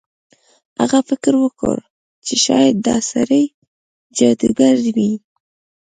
هغه فکر وکړ چې شاید دا سړی جادوګر وي.